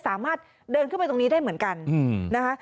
สามารถเดินขึ้นไปตรงนี้ได้เหมือนกันนะคะ